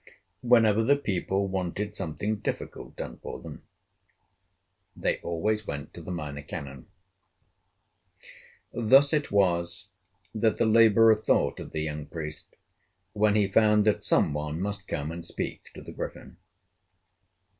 Whenever the people wanted something difficult done for them, they always went to the Minor Canon. Thus it was that the laborer thought of the young priest when he found that some one must come and speak to the Griffin.